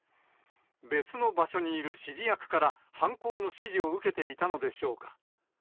別の場所にいる指示役から犯行の指示を受けていたのでしょうか。